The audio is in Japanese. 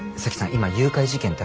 今誘拐事件ってある？